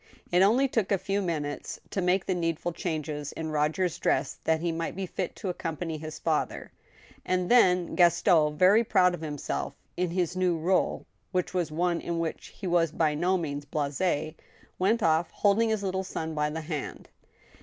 It only took a few minutes to make the needful changes in Roger's dress that he might be fit to accompany his father ; and then Gaston, very proud of himself in his new r$le, which was one in which he was by no means blasts went off, holding his little son by the hand.